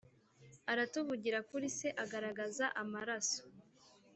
Aratuvugira kuri se agaragaza amaraso